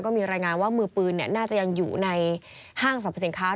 มีรายงานว่ามือปืนน่าจะยังอยู่ในห้างสรรพสินค้า